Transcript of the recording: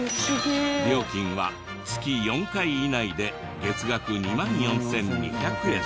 料金は月４回以内で月額２万４２００円。